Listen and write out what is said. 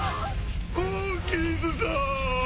ホーキンスさん！